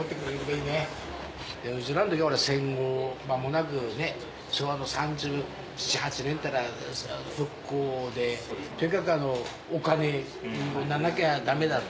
うちらの時戦後間もなく昭和の３７８年っていったら復興でとにかくお金になんなきゃダメだ。